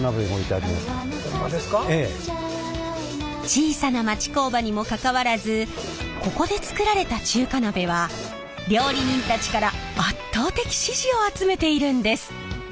小さな町工場にもかかわらずここで作られた中華鍋は料理人たちから圧倒的支持を集めているんです。